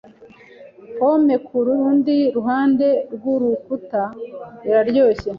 Pome kurundi ruhande rwurukuta iraryoshye.